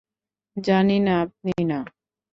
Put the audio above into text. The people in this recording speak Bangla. জানি না আপনি না!